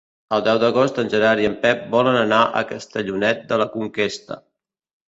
El deu d'agost en Gerard i en Pep volen anar a Castellonet de la Conquesta.